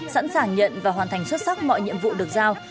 sẵn sàng nhận và hoàn thành xuất sắc mọi nhiệm vụ được giao